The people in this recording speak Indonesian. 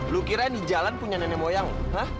lu kirain di jalan punya nenek moyang lu